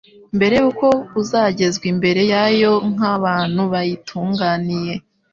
mbere y’uko buzagezwa imbere yayo nk’abantu bayitunganiye.